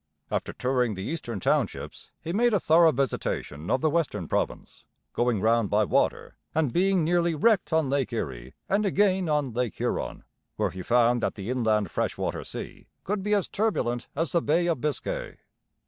After touring the Eastern Townships he made a thorough visitation of the western province, going round by water, and being nearly wrecked on Lake Erie and again on Lake Huron, where he found that the inland freshwater sea could be as turbulent as the Bay of Biscay.